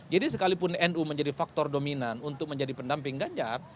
jadi sekalipun nu menjadi faktor dominan untuk menjadi pendamping ganjar